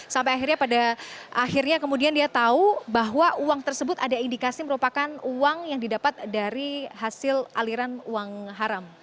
sampai akhirnya pada akhirnya kemudian dia tahu bahwa uang tersebut ada indikasi merupakan uang yang didapat dari hasil aliran uang haram